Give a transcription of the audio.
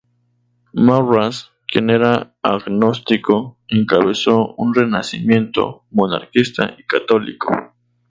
Maurras, quien era agnóstico, encabezó un renacimiento monarquista y católico.